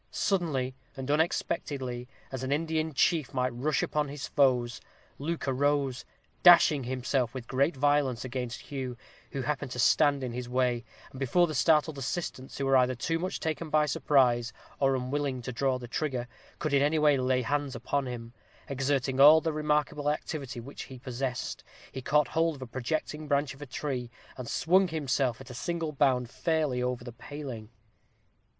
Suddenly and unexpectedly, as an Indian chief might rush upon his foes, Luke arose, dashing himself with great violence against Hugh, who happened to stand in his way, and before the startled assistants, who were either too much taken by surprise, or unwilling to draw a trigger, could in any way lay hands upon him, exerting all the remarkable activity which he possessed, he caught hold of a projecting branch of a tree, and swung himself, at a single bound, fairly over the paling.